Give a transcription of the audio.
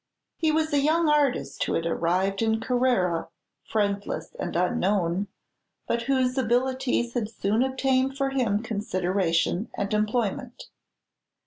He was a young artist who had arrived in Carrara friendless and unknown, but whose abilities had soon obtained for him consideration and employment.